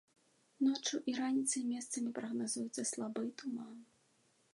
Ноччу і раніцай месцамі прагназуецца слабы туман.